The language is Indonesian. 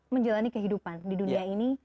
menjalani kehidupan di dunia ini